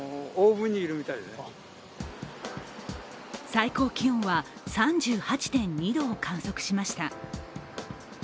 最高気温は、３８．２度を観測しました。